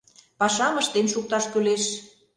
Пашам ыштен шукташ кӱлеш.